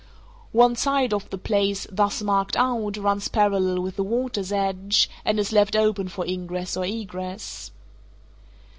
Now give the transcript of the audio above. One side of the place thus marked out runs parallel with the water's edge, and is left open for ingress or egress.